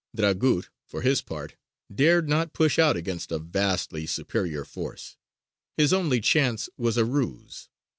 Dragut, for his part, dared not push out against a vastly superior force; his only chance was a ruse.